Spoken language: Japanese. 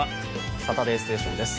「サタデーステーション」です。